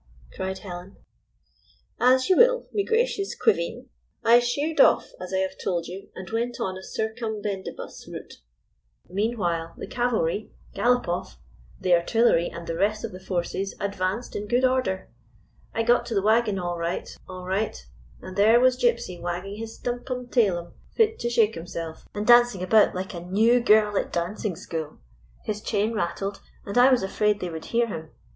" cried Helen. "As you will, me gracious queveen ! I sheered off, as I have told you, and went on a circum bendibus route. Meanwhile the cavalry — Galopoff — the artillery, and the rest of the forces advanced in good order. I got to the wagon all right, all right, and there was Gypsy wagging his stumpum tailum fit to shake himself, and dancing about like a new girl at dancing school. His chain rattled, and I was afraid they would hear him.